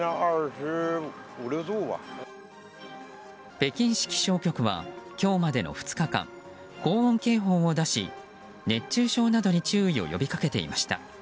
北京市気象局は今日までの２日間高温警報を出し、熱中症などに注意を呼びかけていました。